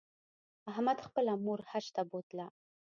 احمد خپله مور حج ته بوتله